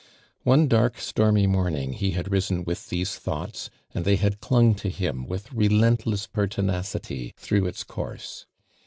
One dark stormy morning he had risen with these thoughts, and they had clung to him with relentless pertinacity through its •ourse.